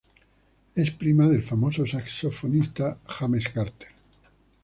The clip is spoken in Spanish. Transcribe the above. Es prima del famoso saxofonista James Carter.